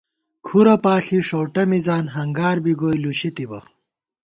کھُرہ پاݪی ݭؤٹہ مِزان ہنگار بی گوئی لُشی تِبہ